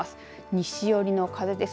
西寄りの風です。